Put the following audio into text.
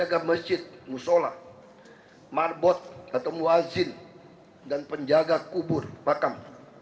saya juga mengajikan penjaga masjid musola marbot atau muazzin dan penjaga kubur bakam